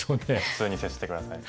普通に接して下さい。